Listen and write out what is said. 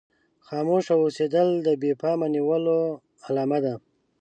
خاموشه اوسېدل د بې پامه نيولو علامه ده.